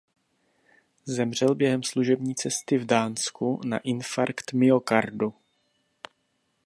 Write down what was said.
Zemřel během služební cesty v hotelu v Dánsku na infarkt myokardu.